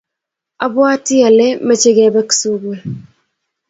abwatii ale meche kebek tugul.